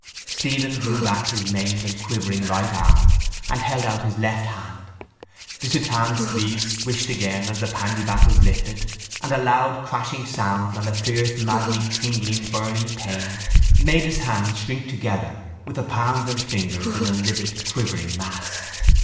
Stephen drew back his maimed and quivering right arm and held out his left hand. The soutane sleeve swished again as the pandybat was lifted and a loud crashing sound and a fierce maddening tingling burning pain made his hand shrink together with the palms and fingers in a livid quivering mass.